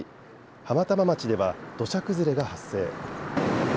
浜玉町では土砂崩れが発生。